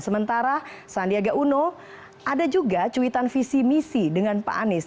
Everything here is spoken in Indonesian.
sementara sandiaga uno ada juga cuitan visi misi dengan pak anies